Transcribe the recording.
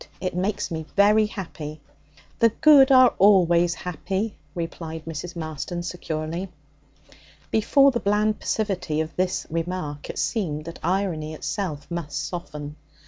It makes me very happy.' 'The good are always happy,' replied Mrs. Marston securely. Before the bland passivity of this remark it seemed that irony itself must soften.